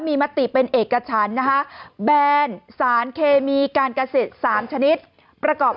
มีมติเป็นเอกชั้นนะฮะแบนสารเคมีการกระสิทธิ์๓ชนิดประกอบ